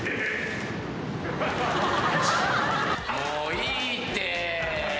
もういいって。